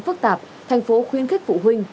phức tạp thành phố khuyên khích phụ huynh